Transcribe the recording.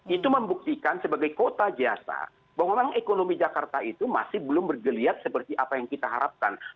itu membuktikan sebagai kota jasa bahwa memang ekonomi jakarta itu masih belum bergeliat seperti apa yang kita harapkan